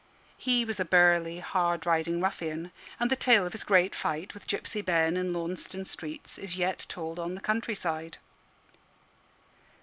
He was a burly, hard riding ruffian, and the tale of his great fight with Gipsy Ben in Launceston streets is yet told on the countryside.